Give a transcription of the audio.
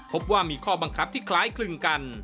พบว่ามีข้อบังคับที่คล้ายคลึงกัน